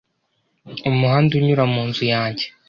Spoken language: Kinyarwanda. Umuhanda unyura munzu yanjye.